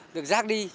được rác đi